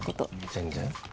全然。